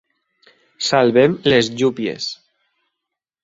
Salvem les llúpies